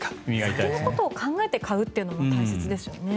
先のことを考えて買うというのが大切ですよね。